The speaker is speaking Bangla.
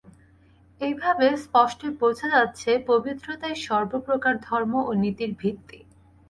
এইভাবে স্পষ্টই বোঝা যাচ্ছে, পবিত্রতাই সর্বপ্রকার ধর্ম ও নীতির ভিত্তি।